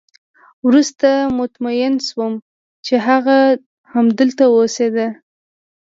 وروسته مطمئن شوم چې هغه همدلته اوسېده